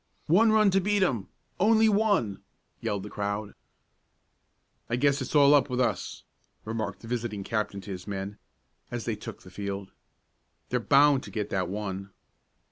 "One run to beat 'em! Only one!" yelled the crowd. "I guess it's all up with us," remarked the visiting captain to his men, as they took the field. "They're bound to get that one."